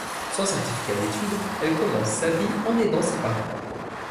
Sans certificat d'études, elle commence sa vie en aidant ses parents.